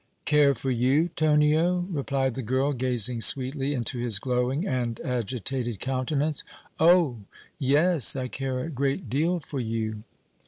"Care for you, Tonio?" replied the girl, gazing sweetly into his glowing and agitated countenance. "Oh! yes! I care a great deal for you!"